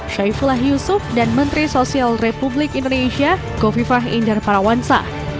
saifullah yusuf dan menteri sosial republik indonesia kofi fah indar parawangsa